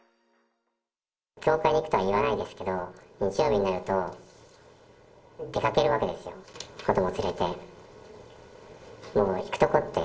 教会に行くとは言わないですけれども、日曜日になると、出かけるわけですよ、子ども連れて。